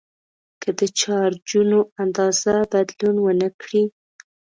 که د چارجونو اندازه بدلون ونه کړي.